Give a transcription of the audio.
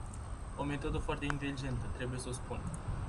O metodă foarte inteligentă, trebuie s-o spun.